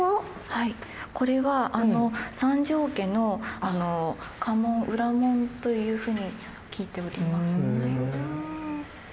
はいこれは三条家の家紋裏紋というふうに聞いております。